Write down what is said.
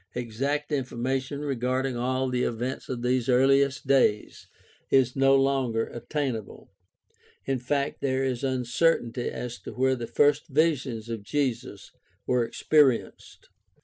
Exact THE STUDY OF EARLY CHRISTIANITY 275 information regarding all the events of these earliest days is no longer attainable. In fact, there is uncertainty as to where the first visions of Jesus were experienced.